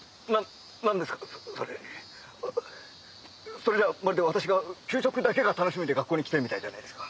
それじゃあまるで私が給食だけが楽しみで学校に来てるみたいじゃないですか。